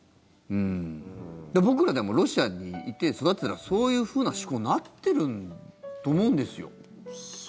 僕ら、ロシアにいて育ってたらそういうふうな思考になってると思うんですよ。